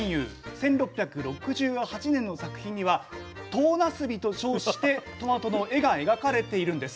１６６８年の作品には「唐なすび」と称してトマトの絵が描かれているんです。